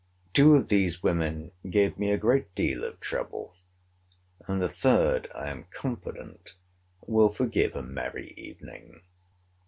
Two of these women gave me a great deal of trouble: and the third, I am confident, will forgive a merry evening.